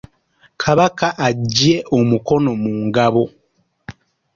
Kabaka aggye omukono mu ngabo.